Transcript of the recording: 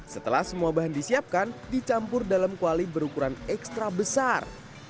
setelah semua bahan disiapkan dicampur dalam kuali berukuran ekstra besar